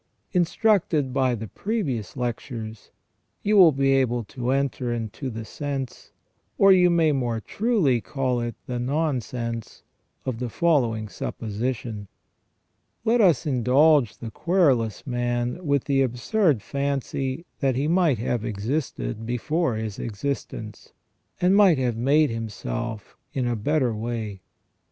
Instructed by the previous lectures, you will be able to enter into the sense, or you may more truly call it the nonsense, of the following supposition. Let us indulge the querulous man with the absurd fancy that he might have existed before his existence, and might have made himself in a better way.